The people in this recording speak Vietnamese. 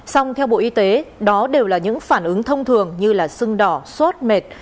xong theo bộ y tế đó đều là những phản ứng thông thường như là sưng đỏ suốt mệt